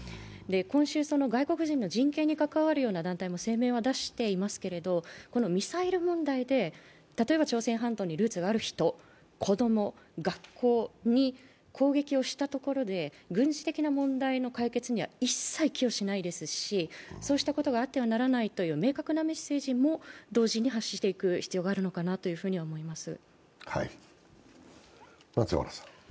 今週、外国人の人権に関わるような団体も声明は出していますけれども、ミサイル問題で、例えば朝鮮半島にルーツがある人、子供、学校に攻撃をしたところで軍事的な問題の解決には一切、寄与しないですし、そうしたことはあってはならないという明確なメッセージも同時に発していく必要があるのかなと思います。